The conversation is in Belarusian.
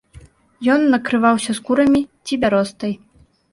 Ён накрываўся скурамі ці бяростай.